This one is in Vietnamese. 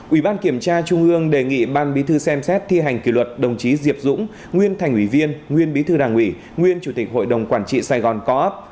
ủy ban kiểm tra trung ương đề nghị ban bí thư xem xét thi hành kỷ luật đồng chí diệp dũng nguyên thành ủy viên nguyên bí thư đảng ủy nguyên chủ tịch hội đồng quản trị sài gòn co op